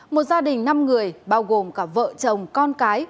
một gia đình năm người bao gồm cả vợ chồng con cái